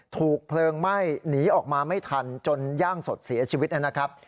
ถูกเพลิงไหม้หนีออกมาไม่ทันจนย่างสดเสียชีวิตนะครับ